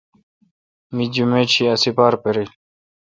می جمیت شی ا ہ سیپار پِریل۔